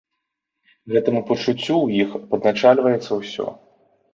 Гэтаму пачуццю ў іх падначальваецца ўсё.